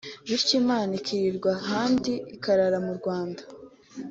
bityo Imana ikirirwa ahandi ikarara mu Rwanda